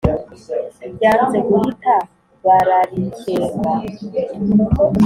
Byanze guhita bararikenga: